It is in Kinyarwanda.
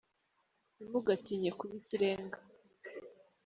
Ntimugatinye kuba ikirenga